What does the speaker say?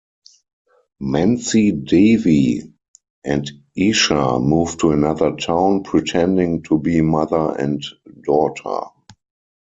Mansi Devi and Esha moved to another town, pretending to be mother and daughter.